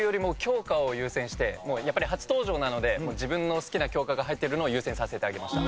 もうやっぱり初登場なので自分の好きな教科が入ってるのを優先させてあげました。